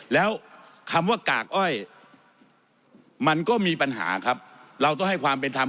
แล้วคำว่ากากอ้อยมันก็มีปัญหาครับเราต้องให้ความเป็นธรรม